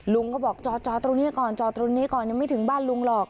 ลุงก็บอกจอดตรงนี้ก่อนจอดตรงนี้ก่อนยังไม่ถึงบ้านลุงหรอก